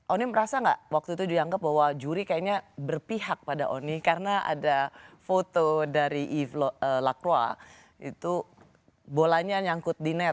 onim merasa nggak waktu itu dianggap bahwa juri kayaknya berpihak pada oni karena ada foto dari lakwa itu bolanya nyangkut di net